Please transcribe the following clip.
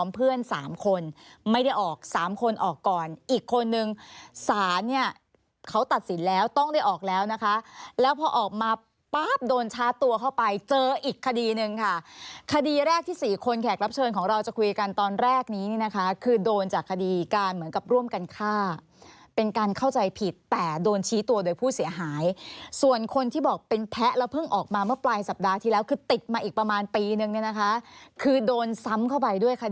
เพื่อนสามคนไม่ได้ออกสามคนออกก่อนอีกคนหนึ่งสาเนี่ยเขาตัดสินแล้วต้องได้ออกแล้วนะคะแล้วพอออกมาป๊าบโดนชาร์จตัวเข้าไปเจออีกคดีนึงค่ะคดีแรกที่สี่คนแขกรับเชิญของเราจะคุยกันตอนแรกนี้นะคะคือโดนจากคดีการเหมือนกับร่วมกันฆ่าเป็นการเข้าใจผิดแต่โดนชี้ตัวโดยผู้เสียหายส่วนคนที่บอกเป็นแพะแล้วเพิ่